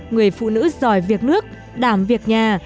người phụ nữ giỏi việc nước đảm việc nhà